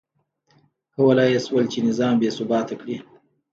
کولای یې شول چې نظام بې ثباته کړي.